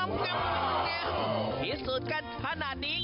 พิสูจน์กันพนาที